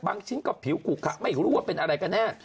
ชิ้นก็ผิวขุขะไม่รู้ว่าเป็นอะไรกันแน่